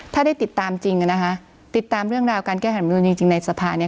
ถ้าได้ติดตามจริงติดตามเรื่องราวการแก้ไขรัฐมนุษย์จริงในสภาคนี้